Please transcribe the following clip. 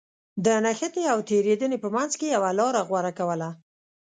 د نښتې او تېرېدنې په منځ کې يوه لاره غوره کوله.